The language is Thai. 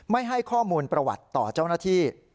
ไม่ให้ข้อมูลประวัติต่อเจ้าหน้าที่